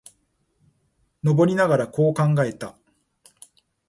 登りながら、こう考えた。